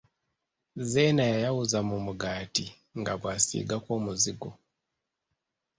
Zeena yayawuza mu mugaati nga bw'asiigako omuzigo.